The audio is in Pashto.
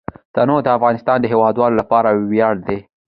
تنوع د افغانستان د هیوادوالو لپاره ویاړ دی.